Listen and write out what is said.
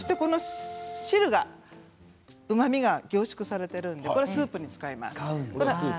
汁はうまみが凝縮されているのでこれはスープに使います。